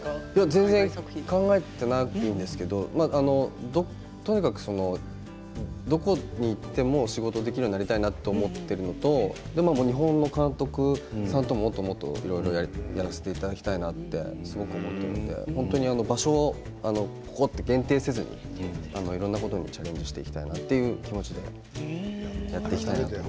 全然考えていないんですけれど、とにかくどこに行っても仕事できるようになりたいなと思っているのと日本の監督さんとももっともっといろいろやらせていただきたいなとすごく思っているので本当に場所をここって限定せずにいろんなことにチャレンジしていきたいなという気持ちでやっていきたいなと。